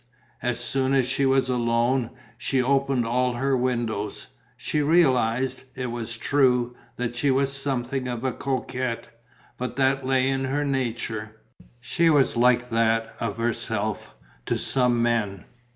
As soon as she was alone, she opened all her windows. She realized, it was true, that she was something of a coquette, but that lay in her nature: she was like that of herself, to some men.